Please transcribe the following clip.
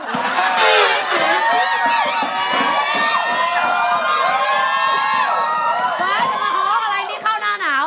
ฟ้าที่มาหอขนาดนี้เข้าหน้าหนาว